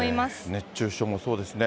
熱中症もそうですね。